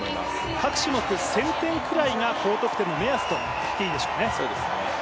各種目１０００点ぐらいが高得点の目安と言っていいでしょうね。